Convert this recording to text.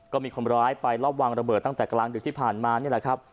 ก็มีคนร้ายไปรอบวางระเบิดตั้งแต่กลางดึกที่ผ่านมานี่แหละครับ